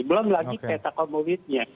belum lagi peta komoditnya